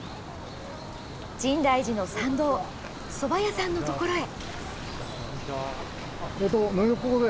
深大寺の参道、そば屋さんのところへ。